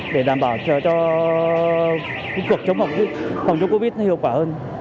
để đảm bảo cho cuộc chống mọc phòng chống covid hiệu quả hơn